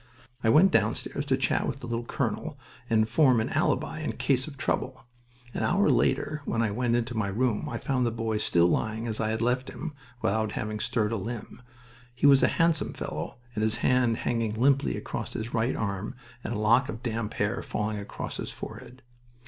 I went downstairs to chat with the little colonel and form an alibi in case of trouble. An hour later, when I went into my room, I found the boy still lying as I had left him, without having stirred a limb. He was a handsome fellow, with his head hanging limply across his right arm and a lock of damp hair falling across his forehead.